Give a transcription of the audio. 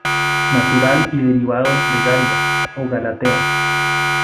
Natural y derivado de "Galia" o "Galatea".